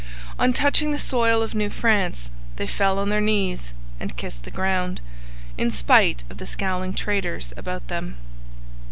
On touching the soil of New France they fell on their knees and kissed the ground, in spite of the scowling traders about them.